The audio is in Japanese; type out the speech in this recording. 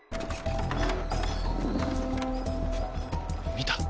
見た？